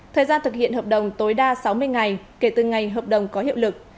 thời gian thực hiện hợp đồng tối đa sáu mươi ngày kể từ ngày hợp đồng có hiệu lực